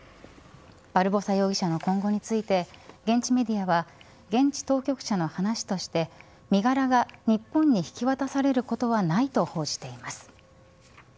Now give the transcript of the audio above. バルボサ容疑者の今後について現地メディアは現地当局者の話として身柄が日本に引き渡されることはないと報じています。